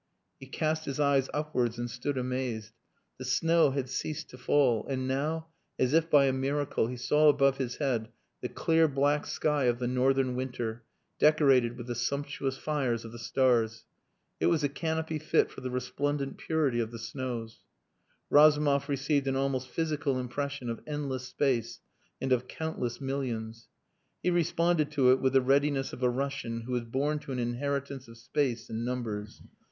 He cast his eyes upwards and stood amazed. The snow had ceased to fall, and now, as if by a miracle, he saw above his head the clear black sky of the northern winter, decorated with the sumptuous fires of the stars. It was a canopy fit for the resplendent purity of the snows. Razumov received an almost physical impression of endless space and of countless millions. He responded to it with the readiness of a Russian who is born to an inheritance of space and numbers.